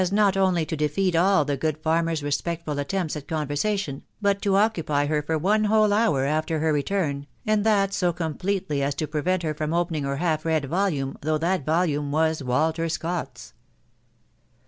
not only to defeat all the good fanner's respectful attempts at conversation, but to occupy her for one whole hour after her return, and that so completely as to prevent her from opening her half read volume, though that volume was Walter Scott's.